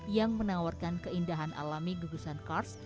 yang menawarkan keindahan alami gugusan kars